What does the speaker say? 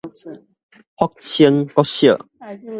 福星國小